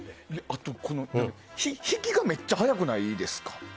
あと、引きがめっちゃ早くないですか？